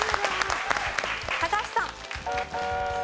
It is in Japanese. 高橋さん。